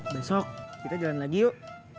besok kita jalan lagi yuk